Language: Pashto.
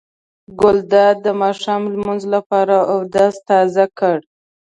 ګلداد د ماښام لمانځه لپاره اودس تازه کړ.